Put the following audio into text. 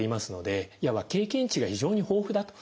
いわば経験値が非常に豊富だといえます。